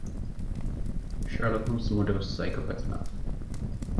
Sherlock Holmes মোটেও psychopath না।